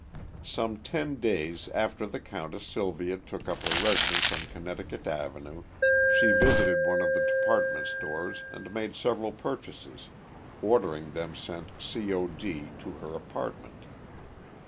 Some ten days after the Countess Sylvia took up her residence on Connecticut Avenue she visited one of the department stores and made several purchases, ordering them sent C. O. D. to her apartment.